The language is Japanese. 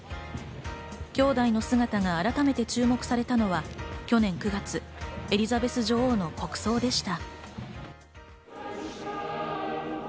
兄弟の姿が改めて注目されたのは去年９月、エリザベス女王の国葬でした。